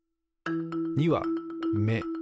２は「め」